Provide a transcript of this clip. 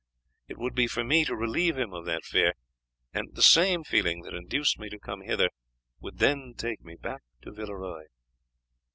It would be for me to relieve him of that fear; and the same feeling that induced me to come hither would then take me back to Villeroy."